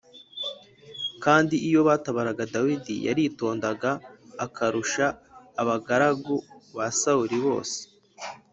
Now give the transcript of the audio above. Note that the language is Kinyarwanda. kandi iyo batabaraga Dawidi yaritondaga akarusha abagaragu ba Sawuli bose